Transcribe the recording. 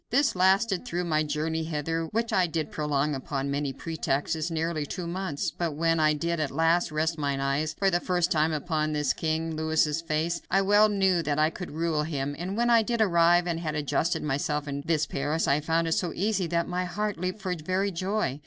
This lasted through my journey hither, which I did prolong upon many pretexts, nearly two months, but when I did at last rest mine eyes for the first time upon this King Louis's face, I well knew that I could rule him, and when I did arrive, and had adjusted myself in this Paris, I found it so easy that my heart leaped for very joy.